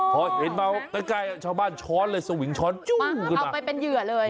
พอเห็นมาใกล้ชาวบ้านช้อนเลยสวิงช้อนจุ้งเอาไปเป็นเหยื่อเลย